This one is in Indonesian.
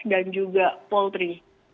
dan juga poultry